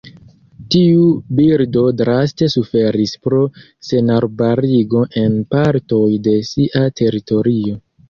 Tiu birdo draste suferis pro senarbarigo en partoj de sia teritorio.